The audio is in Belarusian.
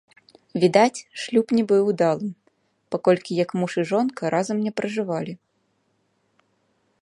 Відаць, шлюб не быў удалым, паколькі як муж і жонка разам ня пражывалі.